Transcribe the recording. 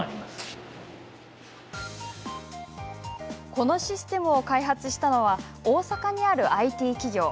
このシステムを開発したのは大阪にあるＩＴ企業。